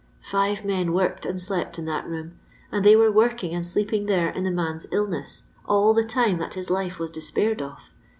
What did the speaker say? Five men worked and slept in that room, and they were working and sleeping there in the man's illness — all the time that his life was despaired of.